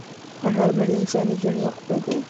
غرمه د انساني ژوند وقفه ده